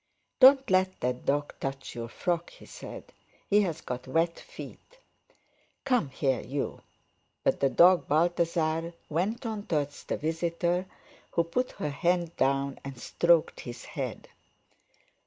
"Don't let that dog touch your frock," he said; "he's got wet feet. Come here, you!" But the dog Balthasar went on towards the visitor, who put her hand down and stroked his head.